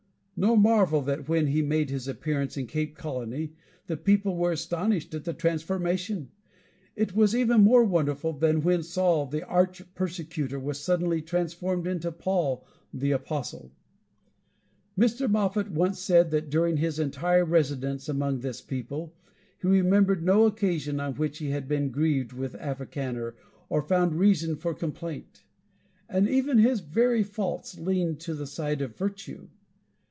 No marvel that when he made his appearance in Cape Colony, the people were astonished at the transformation! It was even more wonderful than when Saul, the arch persecutor, was suddenly transformed into Paul, the apostle. Mr. Moffat once said that during his entire residence among this people, he remembered no occasion on which he had been grieved with Africaner or found reason for complaint; and even his very faults leaned to the side of virtue.